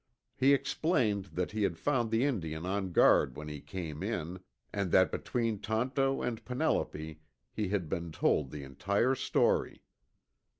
He explained that he had found the Indian on guard when he came in, and that between Tonto and Penelope he had been told the entire story.